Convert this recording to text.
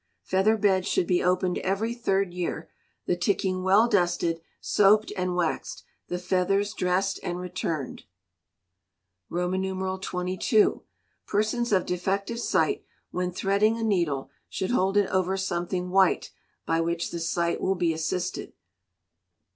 Feather beds should be opened every third year, the ticking well dusted, soaped, and waxed, the feathers dressed and returned. xxii. Persons of defective sight, when threading a needle, should hold it over something white, by which the sight will be assisted.